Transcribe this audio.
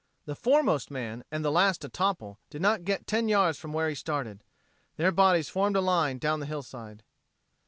The foremost man, and the last to topple, did not get ten yards from where he started. Their bodies formed a line down the hillside.